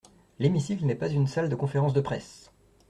L’hémicycle n’est pas une salle de conférences de presse.